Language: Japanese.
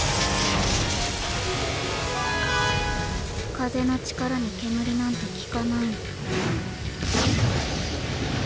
風の力に煙なんて効かないの。